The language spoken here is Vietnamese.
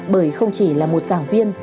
bởi không chỉ là một giảng viên